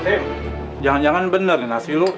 eh jangan jangan bener nih nasi lu